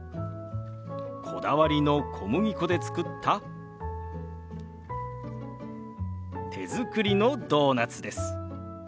こだわりの小麦粉で作った手作りのドーナツです。